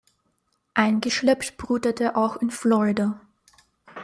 Eingeschleppt brütet er auch in Florida.